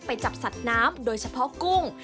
จับสัตว์น้ำโดยเฉพาะกุ้ง